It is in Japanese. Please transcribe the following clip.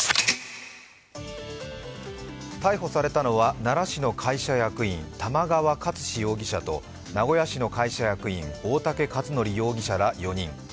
逮捕されたのは奈良市の会社役員、玉川勝史容疑者と名古屋市の会社役員、大竹和範容疑者ら４人。